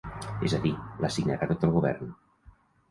És a dir, la signarà tot el govern.